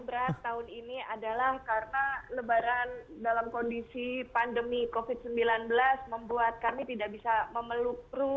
berat tahun ini adalah karena lebaran dalam kondisi pandemi covid sembilan belas membuat kami tidak bisa memeluk